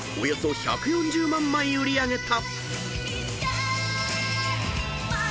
１４０万枚売り上げた］